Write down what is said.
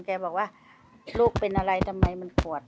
แกบอกว่าลูกเป็นอะไรทำไมมันปวด